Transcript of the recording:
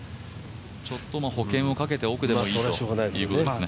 ちょっと保険をかけて奥でもいいということですね。